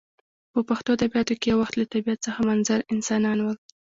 په پښتو ادبیاتو کښي یو وخت له طبیعت څخه منظر انسانان ول.